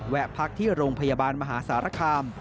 พักที่โรงพยาบาลมหาสารคาม